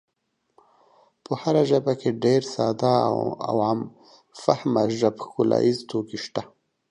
په هره ژبه کې ډېر ساده او عام فهمه ژب ښکلاییز توکي شته.